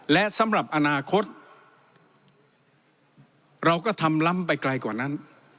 และสำหรับอนาคตเราก็ทำล้ำไปไกลกว่านั้น